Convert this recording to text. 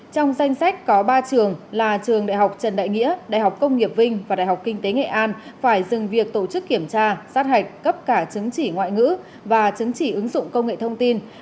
trong danh sách có ba trường là trường đại học trần đại nghĩa đại học công nghiệp vinh và đại học kinh tế nghệ an phải dừng việc tổ chức kiểm tra sát hạch cấp cả chứng chỉ ngoại ngữ và chứng chỉ ứng dụng công nghệ thông tin